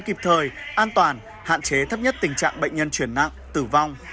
kịp thời an toàn hạn chế thấp nhất tình trạng bệnh nhân chuyển nặng tử vong